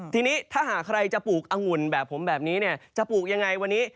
ทีนี้ถ้าหากใครจะปลูกอังุ่นแบบผมแบบนี้เนี่ยจะปลูกยังไงวันนี้